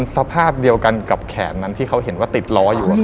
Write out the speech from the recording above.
สภาพเดียวกันกับแขนนั้นที่เขาเห็นว่าติดล้ออยู่